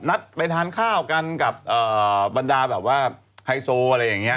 นัดไปทานข้าวกันกับบรรดาแบบว่าไฮโซอะไรอย่างนี้